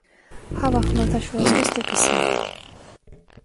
ჰავა ხმელთაშუა ზღვის ტიპისაა.